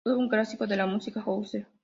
Todo un clásico de la música house.